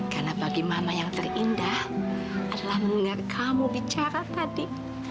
karena bagi mama yang terindah adalah mendengar kamu bicara tadi